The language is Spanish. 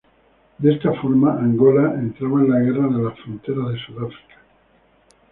De esta forma Angola entraba en la Guerra de la frontera de Sudáfrica.